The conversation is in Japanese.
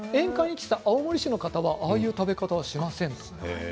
青森市の方はああいう食べ方はしませんでした。